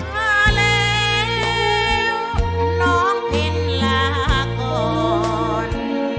มาแล้วน้องเพ็ญลาก่อน